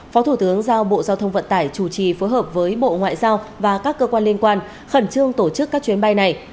phó thủ tướng giao bộ giao thông vận tải chủ trì phối hợp với bộ ngoại giao và các cơ quan liên quan khẩn trương tổ chức các chuyến bay này